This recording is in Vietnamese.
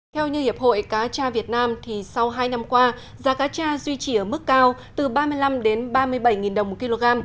theo như hiệp hội cá tra việt nam thì sau hai năm qua giá cá cha duy trì ở mức cao từ ba mươi năm ba mươi bảy đồng một kg